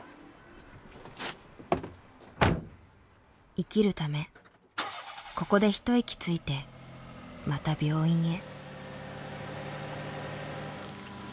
生きるためここで一息ついてまた病院へ。